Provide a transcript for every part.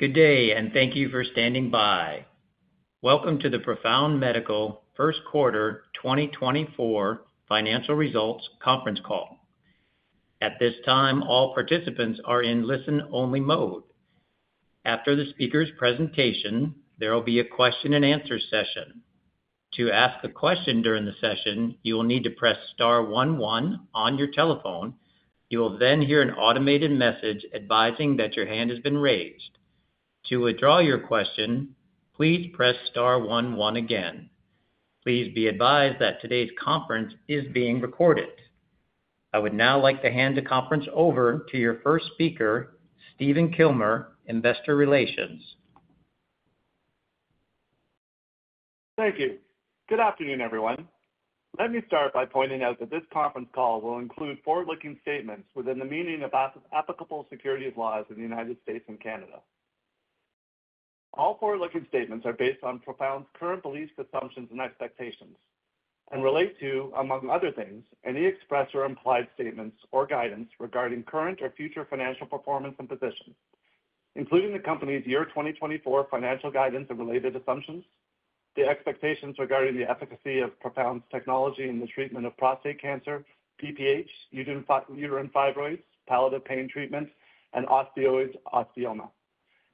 Good day, and thank you for standing by. Welcome to the Profound Medical First Quarter 2024 Financial Results Conference Call. At this time, all participants are in listen-only mode. After the speaker's presentation, there will be a Q&A session. To ask a question during the session, you will need to press star one one on your telephone. You will then hear an automated message advising that your hand has been raised. To withdraw your question, please press star one one again. Please be advised that today's conference is being recorded. I would now like to hand the conference over to your first speaker, Stephen Kilmer, Investor Relations. Thank you. Good afternoon, everyone. Let me start by pointing out that this conference call will include forward-looking statements within the meaning of applicable securities laws in the United States and Canada. All forward-looking statements are based on Profound's current beliefs, assumptions, and expectations, and relate to, among other things, any express or implied statements or guidance regarding current or future financial performance and position, including the company's year 2024 financial guidance and related assumptions, the expectations regarding the efficacy of Profound's technology in the treatment of prostate cancer, BPH, uterine fibroids, palliative pain treatments, and osteoid osteoma,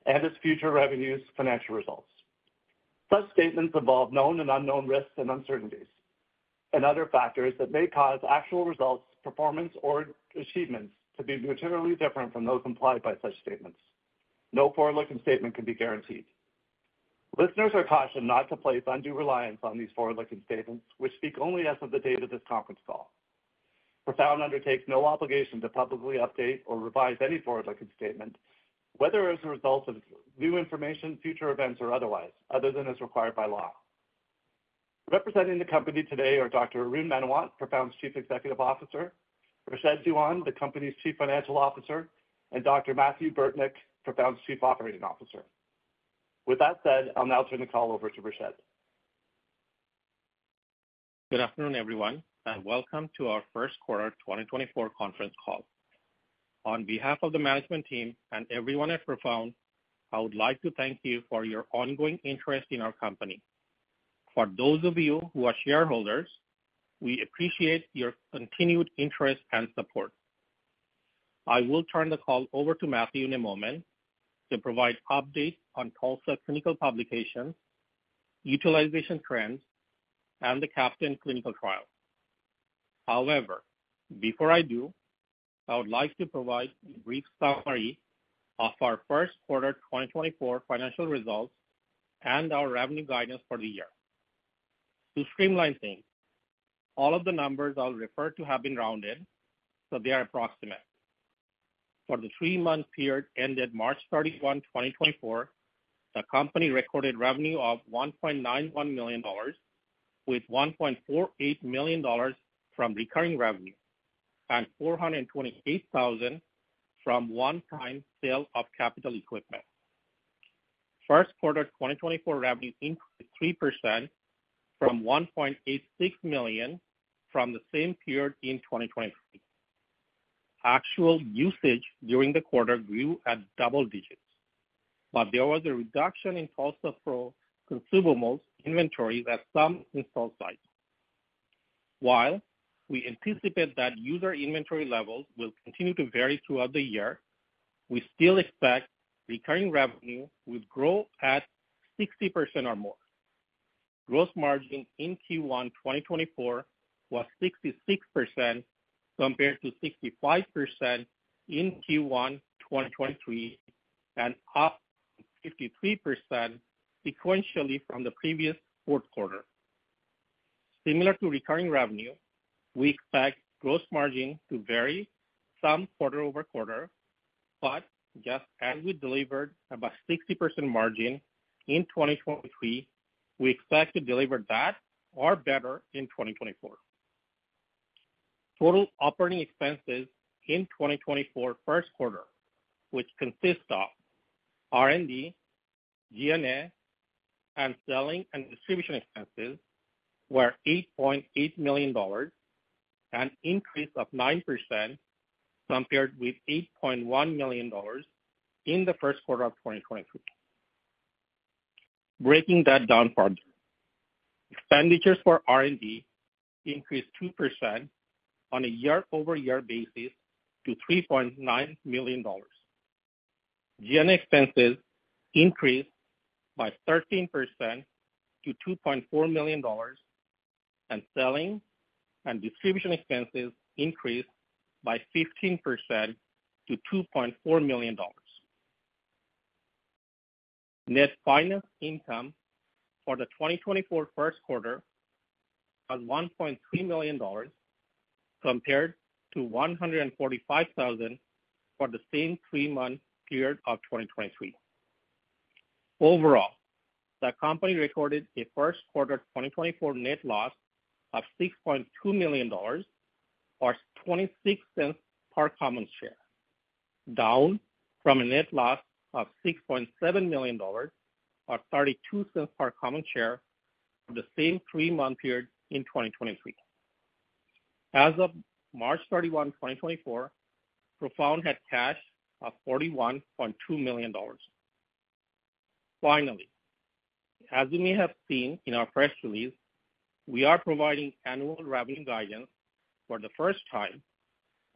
and its future revenues, financial results. Such statements involve known and unknown risks and uncertainties and other factors that may cause actual results, performance, or achievements to be materially different from those implied by such statements. No forward-looking statement can be guaranteed. Listeners are cautioned not to place undue reliance on these forward-looking statements, which speak only as of the date of this conference call. Profound undertakes no obligation to publicly update or revise any forward-looking statement, whether as a result of new information, future events, or otherwise, other than as required by law. Representing the company today are Dr. Arun Menawat, Profound's Chief Executive Officer, Rashed Dewan, the company's Chief Financial Officer, and Dr. Mathieu Burtnyk, Profound's Chief Operating Officer. With that said, I'll now turn the call over to Rashed. Good afternoon, everyone, and welcome to our first quarter 2024 conference call. On behalf of the management team and everyone at Profound, I would like to thank you for your ongoing interest in our company. For those of you who are shareholders, we appreciate your continued interest and support. I will turn the call over to Mathieu in a moment to provide updates on TULSA clinical publications, utilization trends, and the CAPTAIN clinical trial. However, before I do, I would like to provide a brief summary of our first quarter 2024 financial results and our revenue guidance for the year. To streamline things, all of the numbers I'll refer to have been rounded, so they are approximate. For the three-month period ended March 31, 2024, the company recorded revenue of $1.91 million, with $1.48 million from recurring revenue and $428,000 from one-time sale of capital equipment. First quarter 2024 revenue increased 3% from $1.86 million from the same period in 2023. Actual usage during the quarter grew at double digits, but there was a reduction in TULSA-PRO consumable inventory at some install sites. While we anticipate that user inventory levels will continue to vary throughout the year, we still expect recurring revenue will grow at 60% or more. Gross margin in Q1 2024 was 66% compared to 65% in Q1 2023 and up 53% sequentially from the previous fourth quarter. Similar to recurring revenue, we expect gross margin to vary some quarter-over-quarter, but just as we delivered about 60% margin in 2023, we expect to deliver that or better in 2024. Total operating expenses in 2024 first quarter, which consist of R&D, G&A, and selling and distribution expenses, were $8.8 million, an increase of 9% compared with $8.1 million in the first quarter of 2023. Breaking that down further. Expenditures for R&D increased 2% on a year-over-year basis to $3.9 million. G&A expenses increased by 13% to $2.4 million, and selling and distribution expenses increased by 15% to $2.4 million. Net finance income for the 2024 first quarter was $1.3 million, compared to $145,000 for the same three-month period of 2023. Overall, the company recorded a first quarter 2024 net loss of $6.2 million, or $0.26 per common share, down from a net loss of $6.7 million, or $0.32 per common share, for the same three-month period in 2023. As of March 31, 2024, Profound had cash of $41.2 million. Finally, as you may have seen in our press release, we are providing annual revenue guidance for the first time,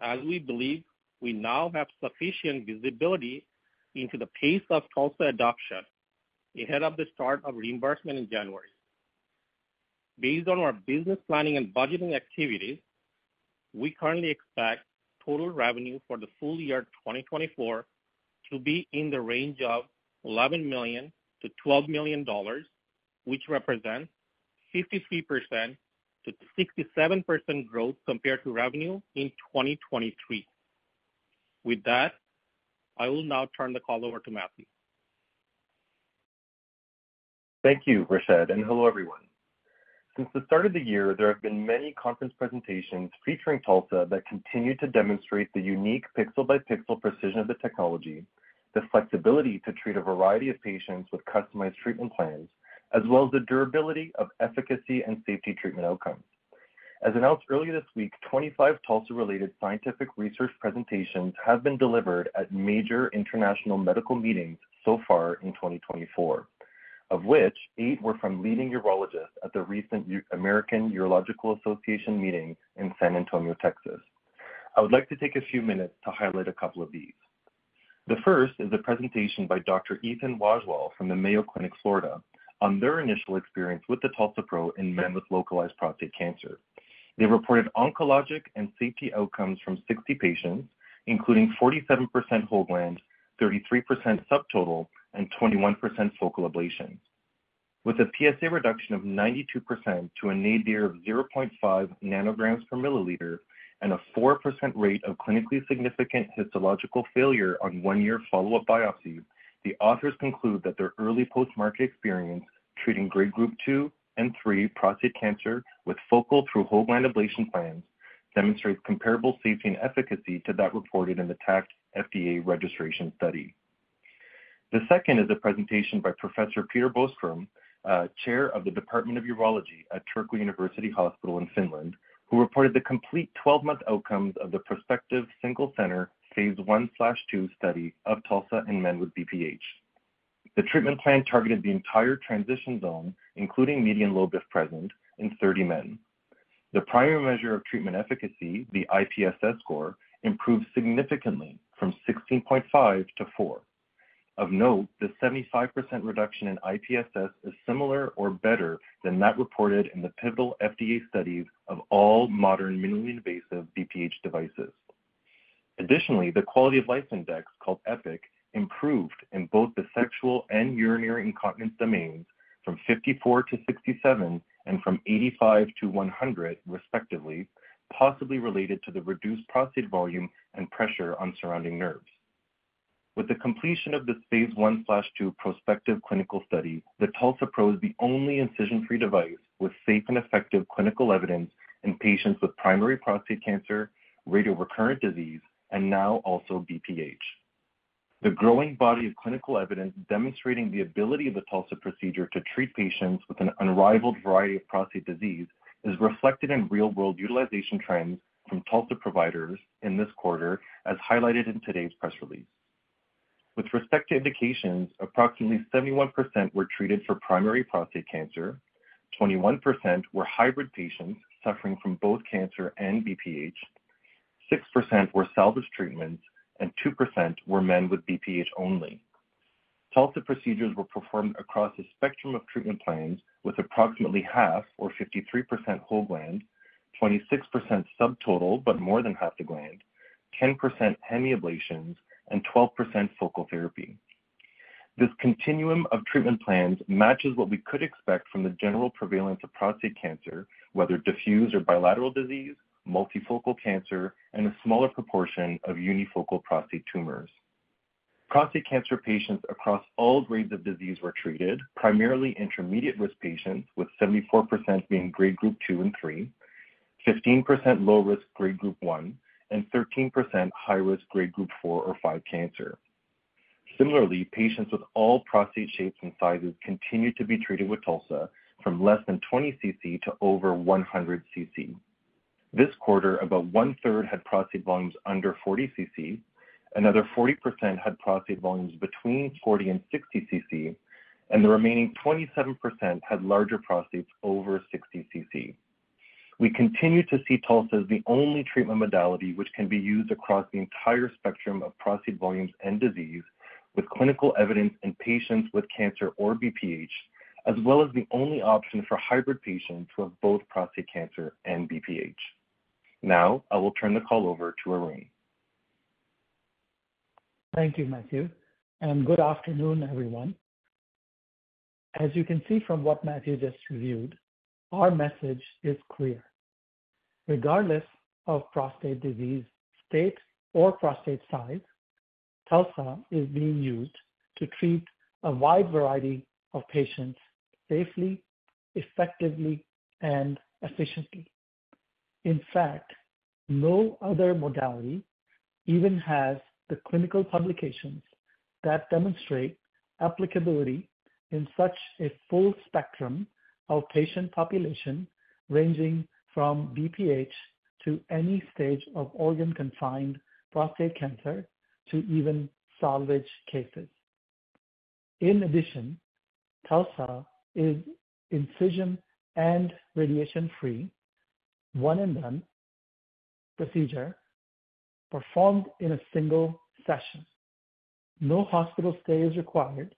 as we believe we now have sufficient visibility into the pace of TULSA adoption ahead of the start of reimbursement in January. Based on our business planning and budgeting activities, we currently expect total revenue for the full year 2024 to be in the range of $11 million-$12 million, which represents 53%-67% growth compared to revenue in 2023. With that, I will now turn the call over to Mathieu. Thank you, Rashed, and hello, everyone. Since the start of the year, there have been many conference presentations featuring TULSA that continue to demonstrate the unique pixel-by-pixel precision of the technology, the flexibility to treat a variety of patients with customized treatment plans, as well as the durability of efficacy and safety treatment outcomes. As announced earlier this week, 25 TULSA-related scientific research presentations have been delivered at major international medical meetings so far in 2024. Of which, eight were from leading urologists at the recent American Urological Association meeting in San Antonio, Texas. I would like to take a few minutes to highlight a couple of these. The first is a presentation by Dr. Ethan Wajswol from the Mayo Clinic, Florida, on their initial experience with the TULSA-PRO in men with localized prostate cancer. They reported oncologic and safety outcomes from 60 patients, including 47% whole gland, 33% subtotal, and 21% focal ablations. With a PSA reduction of 92% to a nadir of 0.5 nanograms per milliliter and a 4% rate of clinically significant histological failure on one year follow-up biopsies, the authors conclude that their early post-market experience treating Grade Group two and three prostate cancer with focal through whole gland ablation plans demonstrates comparable safety and efficacy to that reported in the TACT FDA registration study. The second is a presentation by Professor Peter Boström, chair of the Department of Urology at Turku University Hospital in Finland, who reported the complete 12-month outcomes of the prospective single center phase I/II study of TULSA in men with BPH. The treatment plan targeted the entire transition zone, including median lobe, if present, in 30 men. The primary measure of treatment efficacy, the IPSS score, improved significantly from 16.5 to four. Of note, the 75% reduction in IPSS is similar or better than that reported in the pivotal FDA studies of all modern, minimally invasive BPH devices. Additionally, the quality of life index, called EPIC, improved in both the sexual and urinary incontinence domains from 54 to 67 and from 85 to 100, respectively, possibly related to the reduced prostate volume and pressure on surrounding nerves. With the completion of this phase I/II prospective clinical study, the TULSA-PRO is the only incision-free device with safe and effective clinical evidence in patients with primary prostate cancer, radio-recurrent disease, and now also BPH. The growing body of clinical evidence demonstrating the ability of the TULSA procedure to treat patients with an unrivaled variety of prostate disease is reflected in real-world utilization trends from TULSA providers in this quarter, as highlighted in today's press release. With respect to indications, approximately 71% were treated for primary prostate cancer, 21% were hybrid patients suffering from both cancer and BPH, 6% were salvage treatments, and 2% were men with BPH only. TULSA procedures were performed across a spectrum of treatment plans, with approximately half or 53% whole gland, 26% subtotal, but more than half the gland, 10% hemi ablations, and 12% focal therapy. This continuum of treatment plans matches what we could expect from the general prevalence of prostate cancer, whether diffuse or bilateral disease, multifocal cancer, and a smaller proportion of unifocal prostate tumors. Prostate cancer patients across all grades of disease were treated, primarily intermediate-risk patients, with 74% being Grade Group two and three, 15% low risk Grade Group one, and 13% high risk Grade Group four or five cancer. Similarly, patients with all prostate shapes and sizes continued to be treated with TULSA from less than 20 cc to over 100 cc. This quarter, about one-third had prostate volumes under 40 cc. Another 40% had prostate volumes between 40 and 60 cc, and the remaining 27% had larger prostates over 60 cc. We continue to see TULSA as the only treatment modality which can be used across the entire spectrum of prostate volumes and disease, with clinical evidence in patients with cancer or BPH, as well as the only option for hybrid patients who have both prostate cancer and BPH. Now, I will turn the call over to Arun. Thank you, Mathieu, and good afternoon, everyone. As you can see from what Mathieu just reviewed, our message is clear: Regardless of prostate disease, state, or prostate size, TULSA is being used to treat a wide variety of patients safely, effectively, and efficiently. In fact, no other modality even has the clinical publications that demonstrate applicability in such a full spectrum of patient population, ranging from BPH to any stage of organ-confined prostate cancer, to even salvage cases. In addition, TULSA is incision and radiation-free, one-and-done procedure performed in a single session. No hospital stay is required,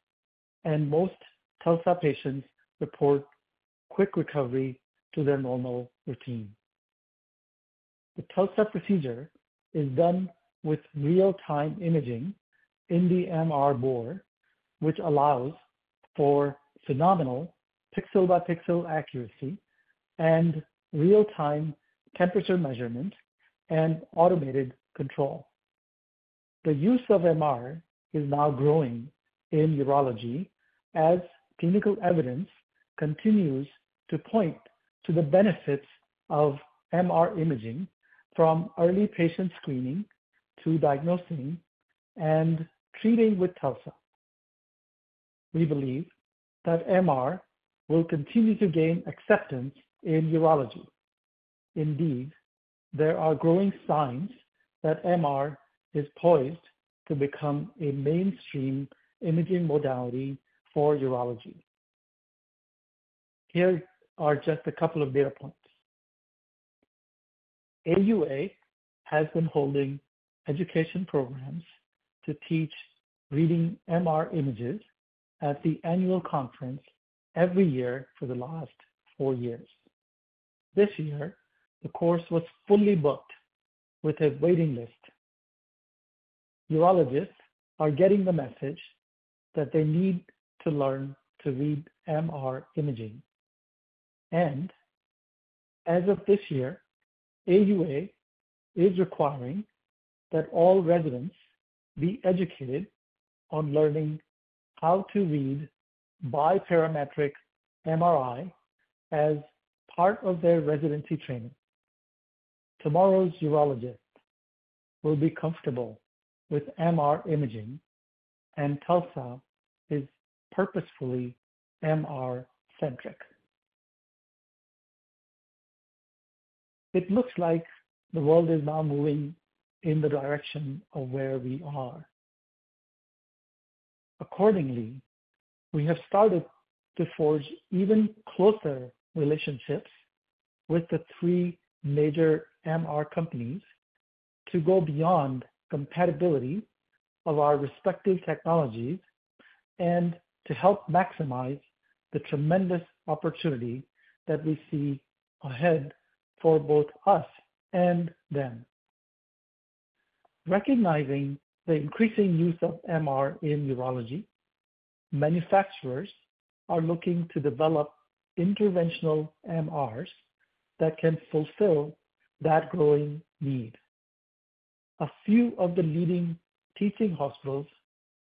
and most TULSA patients report quick recovery to their normal routine. The TULSA procedure is done with real-time imaging in the MR bore, which allows for phenomenal pixel-by-pixel accuracy and real-time temperature measurement and automated control. The use of MR is now growing in urology as clinical evidence continues to point to the benefits of MR imaging, from early patient screening to diagnosing and treating with TULSA. We believe that MR will continue to gain acceptance in urology. Indeed, there are growing signs that MR is poised to become a mainstream imaging modality for urology. Here are just a couple of data points. AUA has been holding education programs to teach reading MR images at the annual conference every year for the last 4 years. This year, the course was fully booked with a waiting list. Urologists are getting the message that they need to learn to read MR imaging. As of this year, AUA is requiring that all residents be educated on learning how to read biparametric MRI as part of their residency training. Tomorrow's urologist will be comfortable with MR imaging, and TULSA is purposefully MR-centric. It looks like the world is now moving in the direction of where we are. Accordingly, we have started to forge even closer relationships with the three major MR companies to go beyond compatibility of our respective technologies, and to help maximize the tremendous opportunity that we see ahead for both us and them. Recognizing the increasing use of MR in urology, manufacturers are looking to develop interventional MRs that can fulfill that growing need. A few of the leading teaching hospitals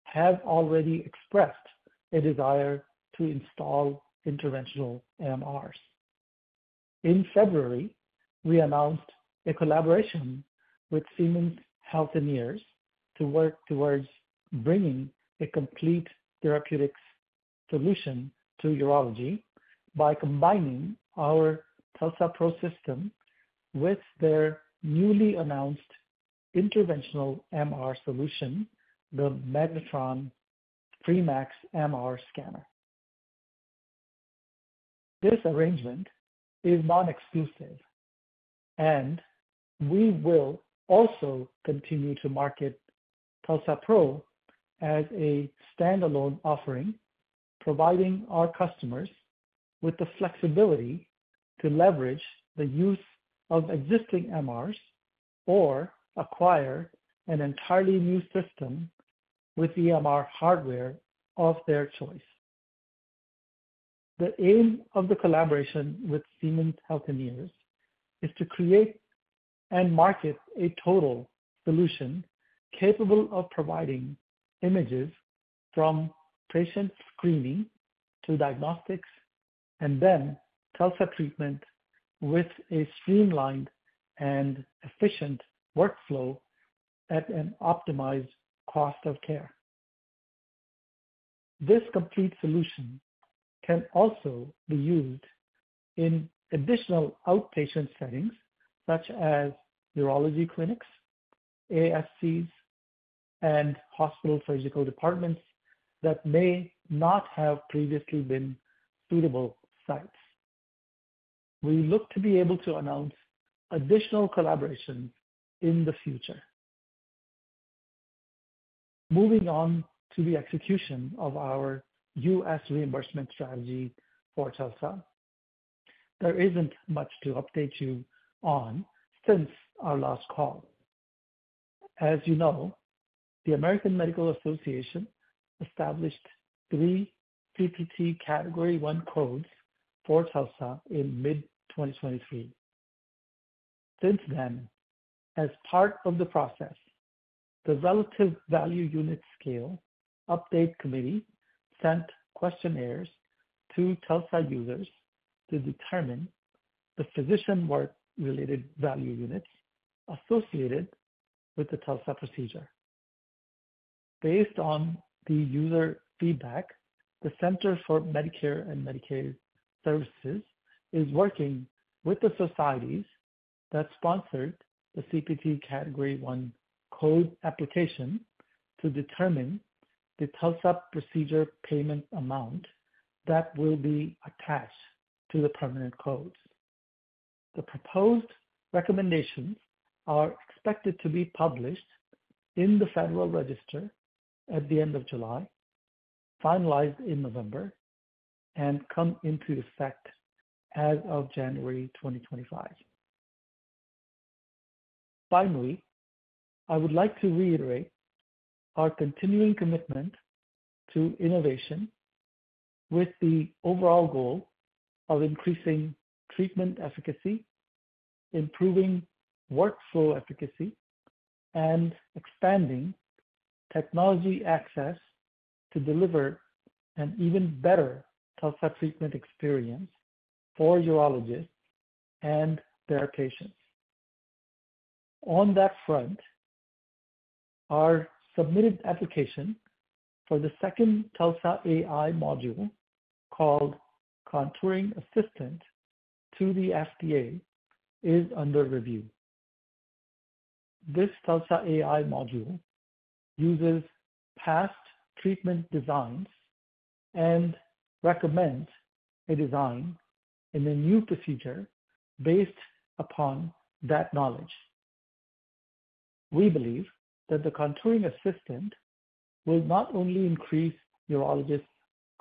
have already expressed a desire to install interventional MRs. In February, we announced a collaboration with Siemens Healthineers to work towards bringing a complete therapeutics solution to urology by combining our TULSA-PRO system with their newly announced interventional MR solution, the MAGNETOM Free.Max MR scanner. This arrangement is non-exclusive, and we will also continue to market TULSA-PRO as a standalone offering, providing our customers with the flexibility to leverage the use of existing MRs or acquire an entirely new system with the MR hardware of their choice. The aim of the collaboration with Siemens Healthineers is to create and market a total solution capable of providing images from patient screening to diagnostics, and then TULSA treatment, with a streamlined and efficient workflow at an optimized cost of care. This complete solution can also be used in additional outpatient settings, such as urology clinics, ASCs, and hospital surgical departments that may not have previously been suitable sites. We look to be able to announce additional collaborations in the future. Moving on to the execution of our U.S. reimbursement strategy for TULSA, there isn't much to update you on since our last call. As you know, the American Medical Association established three CPT Category I codes for TULSA in mid-2023. Since then, as part of the process, the Relative Value Unit Scale Update Committee sent questionnaires to TULSA users to determine the physician work-related value units associated with the TULSA procedure. Based on the user feedback, the Centers for Medicare and Medicaid Services is working with the societies that sponsored the CPT Category I code application, to determine the TULSA procedure payment amount that will be attached to the permanent codes. The proposed recommendations are expected to be published in the Federal Register at the end of July, finalized in November, and come into effect as of January 2025. Finally, I would like to reiterate our continuing commitment to innovation, with the overall goal of increasing treatment efficacy, improving workflow efficacy, and expanding technology access to deliver an even better TULSA treatment experience for urologists and their patients. On that front, our submitted application for the second TULSA AI module, called Contouring Assistant, to the FDA, is under review. This TULSA AI module uses past treatment designs and recommends a design in a new procedure based upon that knowledge. We believe that the Contouring Assistant will not only increase urologists'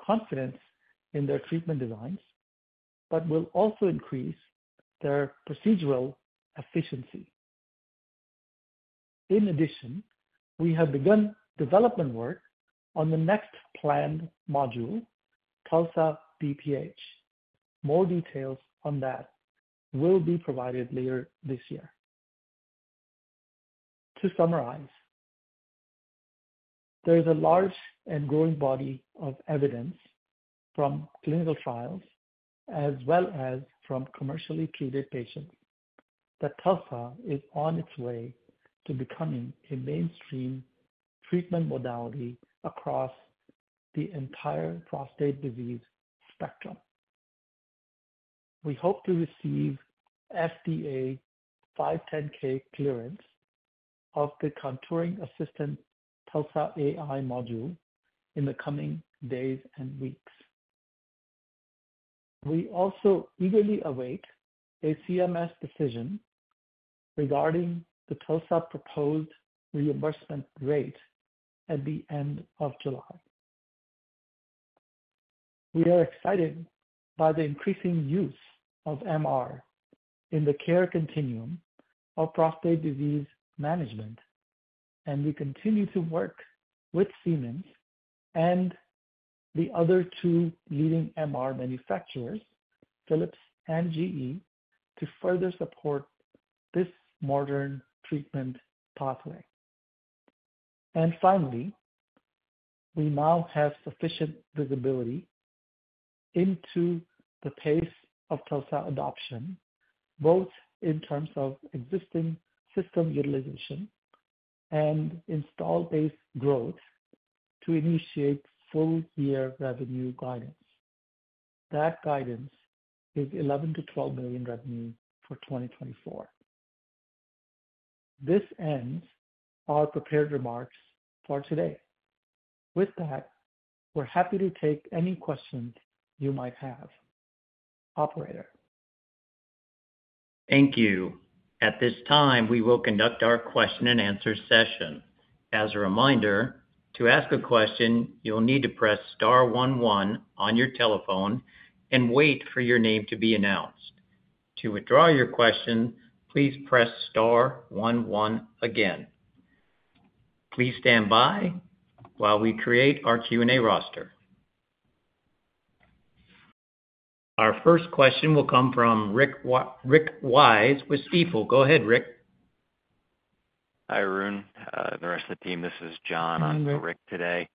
confidence in their treatment designs, but will also increase their procedural efficiency. In addition, we have begun development work on the next planned module, TULSA BPH. More details on that will be provided later this year. To summarize, there is a large and growing body of evidence from clinical trials, as well as from commercially treated patients, that TULSA is on its way to becoming a mainstream treatment modality across the entire prostate disease spectrum. We hope to receive FDA 510(k) clearance of the Contouring Assistant TULSA AI module in the coming days and weeks. We also eagerly await a CMS decision regarding the TULSA proposed reimbursement rate at the end of July. We are excited by the increasing use of MR in the care continuum of prostate disease management, and we continue to work with Siemens and the other two leading MR manufacturers, Philips and GE, to further support this modern treatment pathway. And finally, we now have sufficient visibility into the pace of TULSA adoption, both in terms of existing system utilization and installed base growth, to initiate full year revenue guidance. That guidance is $11 million-$12 million revenue for 2024. This ends our prepared remarks for today. With that, we're happy to take any questions you might have. Operator? Thank you. At this time, we will conduct our Q&A session. As a reminder, to ask a question, you will need to press star one one on your telephone and wait for your name to be announced. To withdraw your question, please press star one one again. Please stand by while we create our Q&A roster. Our first question will come from Rick Wise with Stifel. Go ahead, Rick. Hi, Arun, the rest of the team. This is John on for Rick today.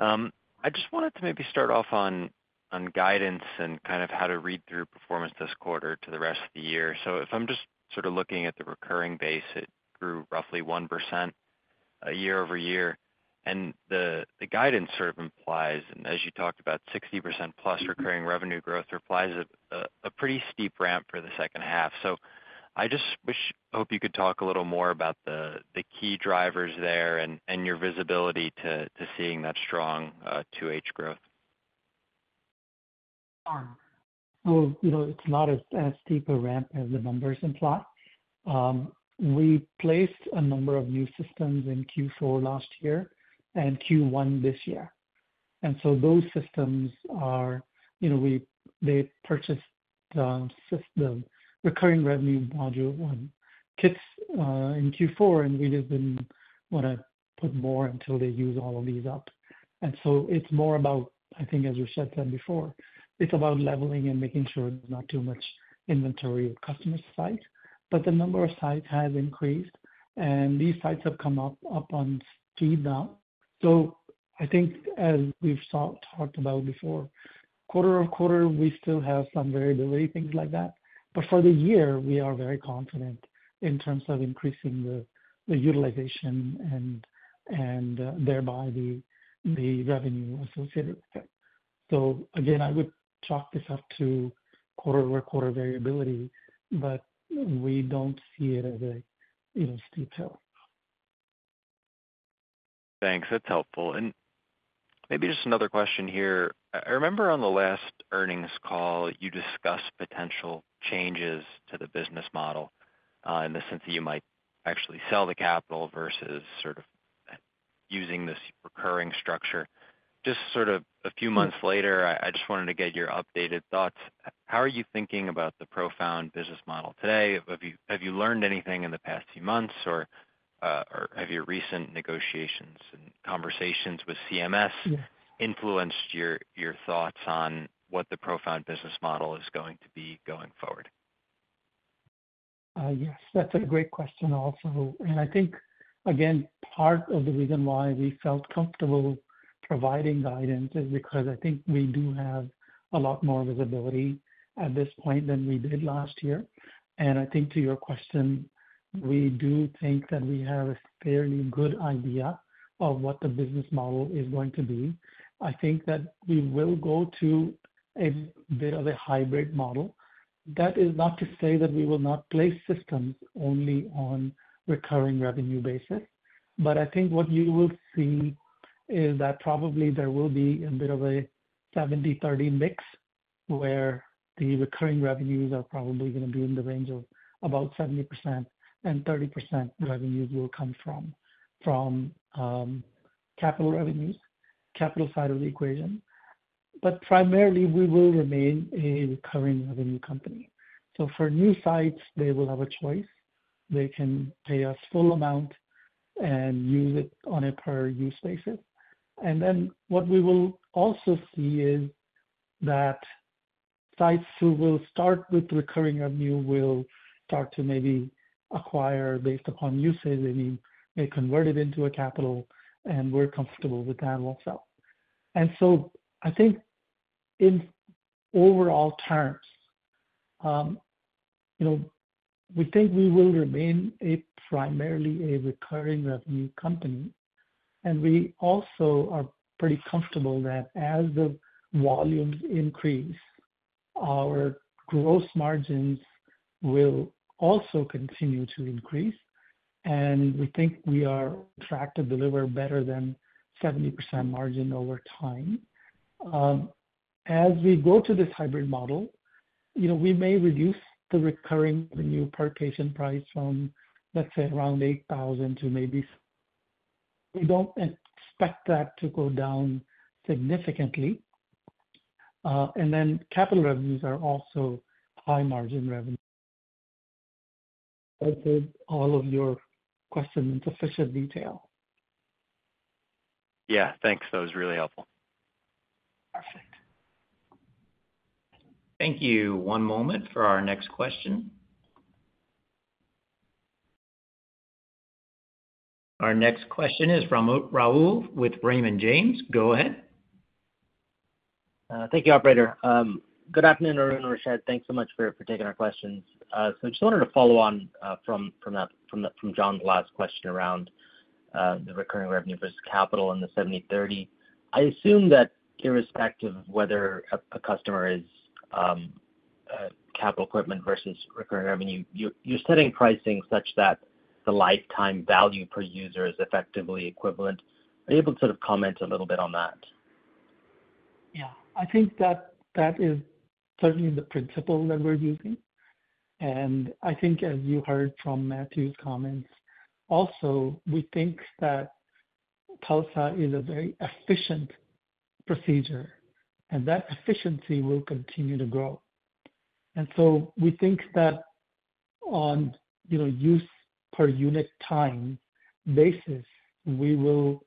I just wanted to maybe start off on guidance and kind of how to read through performance this quarter to the rest of the year. So if I'm just sort of looking at the recurring base, it grew roughly 1%, year-over-year. And the guidance sort of implies, and as you talked about, 60%+ recurring revenue growth, implies a pretty steep ramp for the second half. So I just hope you could talk a little more about the key drivers there and your visibility to seeing that strong 2H growth. Well, you know, it's not as, as steep a ramp as the numbers imply. We placed a number of new systems in Q4 last year and Q1 this year, and so those systems are, you know, they purchased the recurring revenue model one kits in Q4, and we just didn't want to put more until they use all of these up. And so it's more about, I think, as we've said that before, it's about leveling and making sure there's not too much inventory at customer site. But the number of sites has increased, and these sites have come up on stream now. So I think as we've talked about before, quarter-over-quarter, we still have some variability, things like that. But for the year, we are very confident in terms of increasing the utilization and thereby the revenue associated with that. So again, I would chalk this up to quarter-over-quarter variability, but we don't see it as a, you know, steep hill. Thanks. That's helpful. And maybe just another question here. I remember on the last earnings call, you discussed potential changes to the business model, in the sense that you might actually sell the capital versus sort of using this recurring structure. Just sort of a few months later, I just wanted to get your updated thoughts. How are you thinking about the Profound business model today? Have you learned anything in the past few months, or, or have your recent negotiations and conversations with CMS influenced your thoughts on what the Profound business model is going to be going forward? Yes, that's a great question also. I think, again, part of the reason why we felt comfortable providing guidance is because I think we do have a lot more visibility at this point than we did last year. I think to your question, we do think that we have a fairly good idea of what the business model is going to be. I think that we will go to a bit of a hybrid model. That is not to say that we will not place systems only on recurring revenue basis. But I think what you will see is that probably there will be a bit of a 70/30 mix, where the recurring revenues are probably gonna be in the range of about 70%, and 30% revenues will come from, from, capital revenues, capital side of the equation. Primarily, we will remain a recurring revenue company. So for new sites, they will have a choice. They can pay us full amount and use it on a per-use basis. And then what we will also see is that sites who will start with recurring revenue will start to maybe acquire based upon usage, and we may convert it into a capital, and we're comfortable with that also. And so I think in overall terms, you know, we think we will remain a primarily a recurring revenue company, and we also are pretty comfortable that as the volumes increase, our gross margins will also continue to increase, and we think we are on track to deliver better than 70% margin over time. As we go to this hybrid model, you know, we may reduce the recurring revenue per patient price from, let's say, around $8,000 to maybe. We don't expect that to go down significantly. And then capital revenues are also high margin revenue. Answered all of your questions in sufficient detail? Yeah, thanks. That was really helpful. Perfect. Thank you. One moment for our next question. Our next question is from Rahul with Raymond James. Go ahead. Thank you, operator. Good afternoon, Arun and Rashed. Thanks so much for taking our questions. So I just wanted to follow on from John's last question around the recurring revenue versus capital and the 70/30. I assume that irrespective of whether a customer is capital equipment versus recurring revenue, you're setting pricing such that the lifetime value per user is effectively equivalent. Are you able to sort of comment a little bit on that? Yeah. I think that that is certainly the principle that we're using. And I think as you heard from Mathieu's comments, also, we think that TULSA is a very efficient procedure, and that efficiency will continue to grow. And so we think that on, you know, use per unit time basis, we will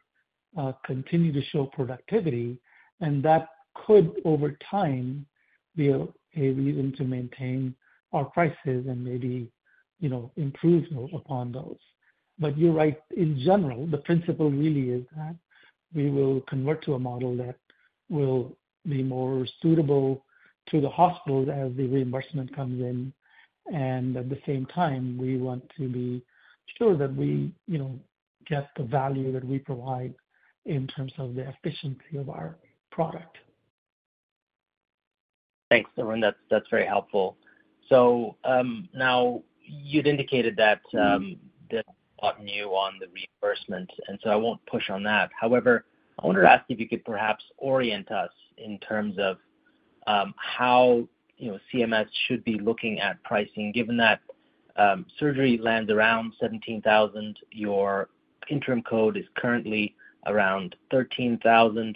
continue to show productivity, and that could, over time, be a reason to maintain our prices and maybe, you know, improve upon those. But you're right, in general, the principle really is that we will convert to a model that will be more suitable to the hospitals as the reimbursement comes in, and at the same time, we want to be sure that we, you know, get the value that we provide in terms of the efficiency of our product. Thanks, Arun. That's very helpful. So, now, you'd indicated that you're quite new on the reimbursement, and so I won't push on that. However, I wanted to ask if you could perhaps orient us in terms of, how, you know, CMS should be looking at pricing, given that, surgery lands around $17,000, your interim code is currently around $13,000.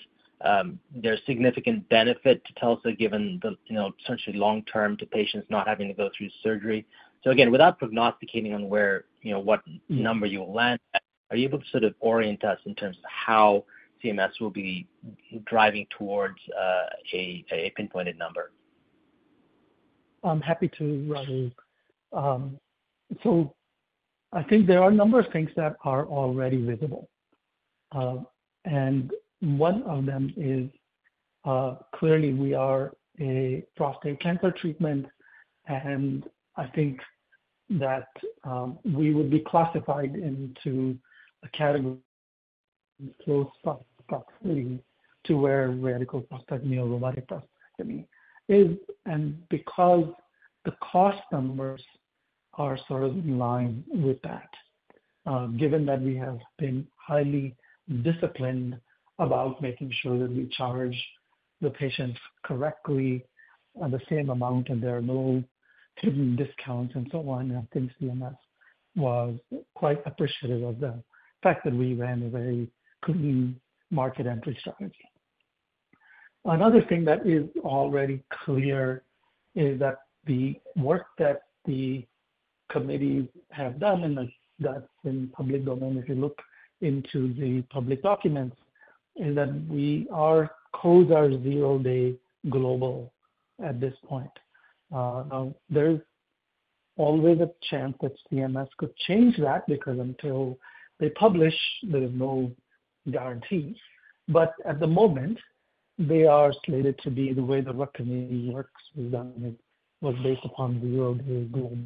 There's significant benefit to TULSA, given the, you know, essentially long term to patients not having to go through surgery. So again, without prognosticating on where, you know, what number you will land at, are you able to sort of orient us in terms of how CMS will be driving towards, a pinpointed number? I'm happy to, Rahul. So I think there are a number of things that are already visible. And one of them is, clearly we are a prostate cancer treatment, and I think that we would be classified into a category close proximity to where radical prostatectomy or robotic prostatectomy is. And because the cost numbers are sort of in line with that, given that we have been highly disciplined about making sure that we charge the patients correctly at the same amount, and there are no hidden discounts and so on. I think CMS was quite appreciative of the fact that we ran a very clean market entry strategy. Another thing that is already clear is that the work that the committees have done, and that's in public domain, if you look into the public documents, is that we are, codes are zero-day global at this point. Now, there is always a chance that CMS could change that, because until they publish, there is no guarantee. But at the moment, they are slated to be the way the recommendation works was done, was based upon the zero-day global.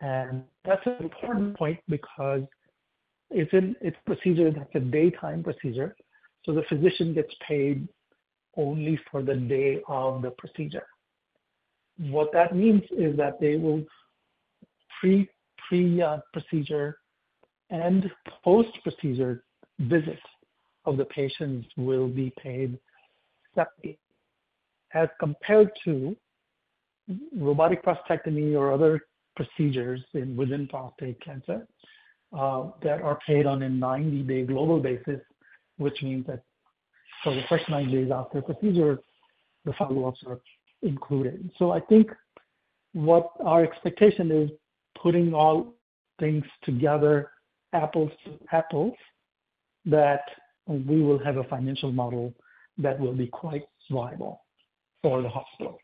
And that's an important point because it's an, it's a procedure that's a daytime procedure, so the physician gets paid only for the day of the procedure. What that means is that they will pre-procedure and post-procedure visits of the patients will be paid separately, as compared to robotic prostatectomy or other procedures within prostate cancer that are paid on a 90-day global basis, which means that for the first 90 days after the procedure, the follow-ups are included. So I think what our expectation is, putting all things together, apples to apples, that we will have a financial model that will be quite viable for the hospitals.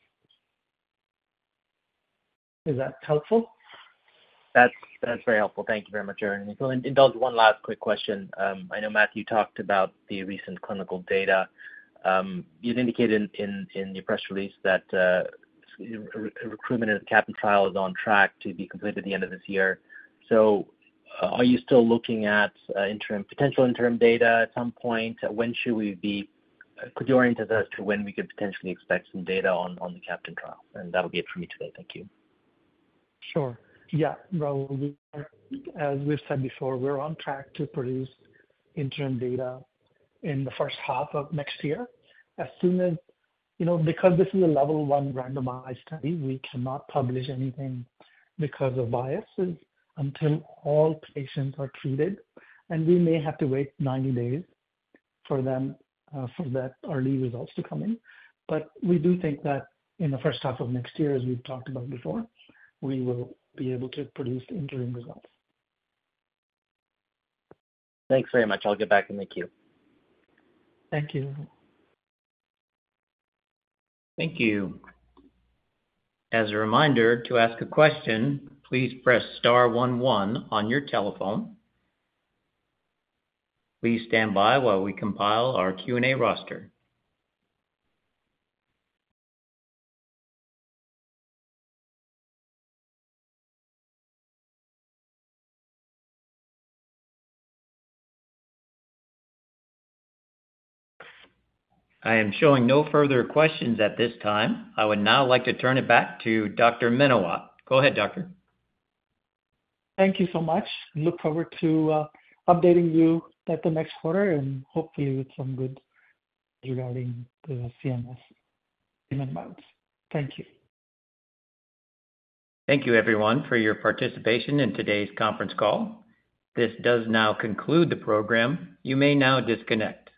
Is that helpful? That's very helpful. Thank you very much, Arun. And one last quick question. I know Mathieu talked about the recent clinical data. You've indicated in your press release that recruitment in the CAPTAIN trial is on track to be completed at the end of this year. So are you still looking at interim, potential interim data at some point? When should we be? Could you orient us as to when we could potentially expect some data on the CAPTAIN trial? And that'll be it for me today. Thank you. Sure. Yeah, Rahul, we are, as we've said before, we're on track to produce interim data in the first half of next year. As soon as You know, because this is a level one randomized study, we cannot publish anything because of biases until all patients are treated, and we may have to wait 90 days for them, for that early results to come in. But we do think that in the first half of next year, as we've talked about before, we will be able to produce the interim results. Thanks very much. I'll get back in the queue. Thank you. Thank you. As a reminder, to ask a question, please press star one one on your telephone. Please stand by while we compile our Q&A roster. I am showing no further questions at this time. I would now like to turn it back to Dr. Menawat. Go ahead, Doctor. Thank you so much. Look forward to updating you at the next quarter and hopefully with some good regarding the CMS payment amounts. Thank you. Thank you everyone for your participation in today's conference call. This does now conclude the program. You may now disconnect.